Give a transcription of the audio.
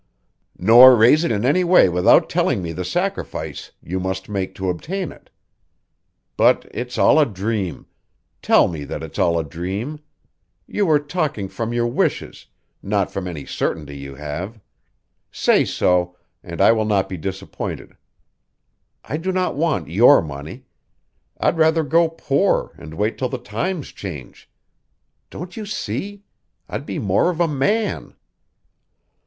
"Nor raise it in any way without telling me the sacrifice you must make to obtain it. But it's all a dream; tell me that it's all a dream; you were talking from your wishes, not from any certainty you have. Say so, and I will not be disappointed. I do not want your money; I'd rather go poor and wait till the times change. Don't you see? I'd be more of a man."